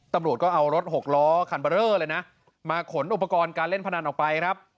ตำรวจก็เอารถหกล้อคันเบอร์เลอร์เลยนะมาขนอุปกรณ์การเล่นพนันออกไปครับ